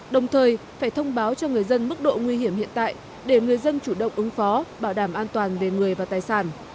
đồng thời phải thông báo cho người dân mức độ nguy hiểm hiện tại để người dân chủ động ứng phó bảo đảm an toàn về người và tài sản